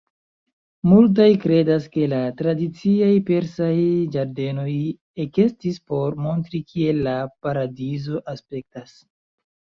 Multaj kredas ke la tradiciaj persaj ĝardenoj ekestis por montri kiel la paradizo aspektas.